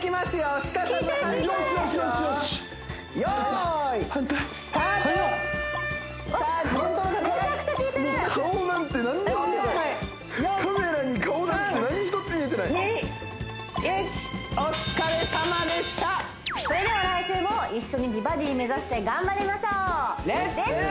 お疲れさまでしたそれでは来週も一緒に美バディ目指して頑張りましょうレッツ！